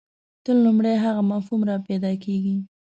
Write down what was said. تل لومړی هغه مفهوم راپیدا کېږي.